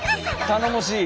頼もしい。